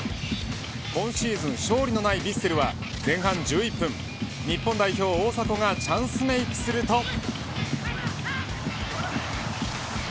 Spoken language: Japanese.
今シーズン勝利のないヴィッセルは前半１１分日本代表大迫がチャンスメークすると。